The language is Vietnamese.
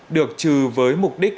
được trừ với mục đích